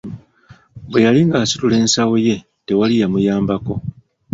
Bwe yali ng'asitula ensawo ye tewali yamuyambako.